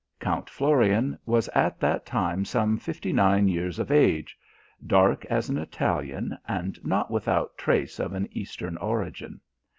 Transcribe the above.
Count Florian was at that time some fifty nine years of age, dark as an Italian and not without trace of an Eastern origin.